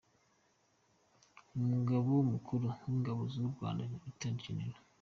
Umugaba Mukuru w’Ingabo z’u Rwanda, Lt Gen.